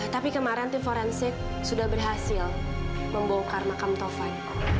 tapi kemarin tim forensik sudah berhasil membongkar makam taufik